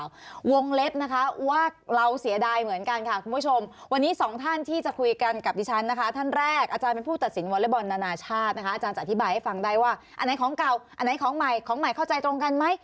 วงเล็บนะคะว่าเราเสียดายเหมือนกันค่ะคุณผู้ชม